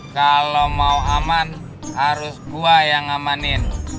kalau mau aman harus gua yang ngamanin